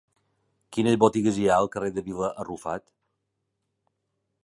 Quines botigues hi ha al carrer de Vila Arrufat?